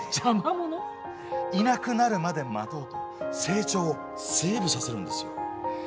いなくなるまで待とうと成長をセーブさせるんですよ。